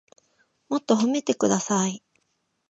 もっと褒めてください